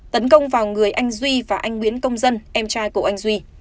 tấn công vào người anh duy và anh nguyễn công dân em trai của anh duy